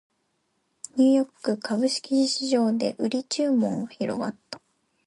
ニューヨーク株式市場で売り注文が広がった